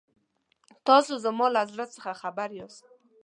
تاسو زما له زړه څخه خبر یاست.